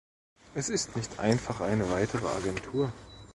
Es ist nicht einfach eine weitere Agentur.